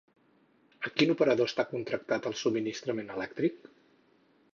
A quin operador està contractat el subministrament elèctric?